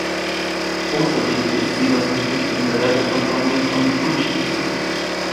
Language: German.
Außerdem ist sie das Gesicht in der Werbekampagne von "Gucci".